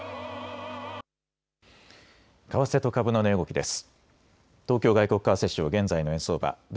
為替と株の値動きです。